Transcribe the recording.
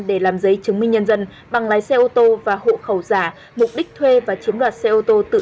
để làm giấy chứng minh nhân dân bằng lái xe ô tô và hộ khẩu giả mục đích thuê và chiếm đoạt xe ô tô tự